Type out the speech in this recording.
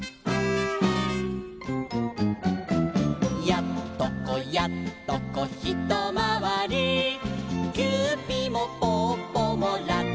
「やっとこやっとこひとまわり」「キューピもぽっぽもラッタッタ」